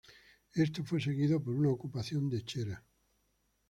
Esto fue seguido por una ocupación de Chera.